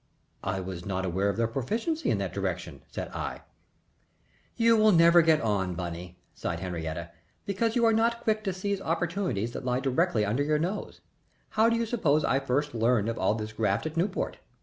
"I was not aware of their proficiency in that direction," said I. "You never will get on, Bunny," sighed Henriette, "because you are not quick to seize opportunities that lie directly under your nose. How do you suppose I first learned of all this graft at Newport?